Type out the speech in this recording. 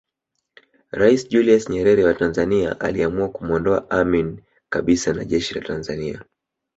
Rais Julius Nyerere wa Tanzania aliamua kumuondoa Amin kabisa na jeshi la Tanzania